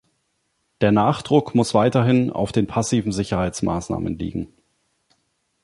Der Nachdruck muss weiterhin auf den passiven Sicherheitsmaßnahmen liegen.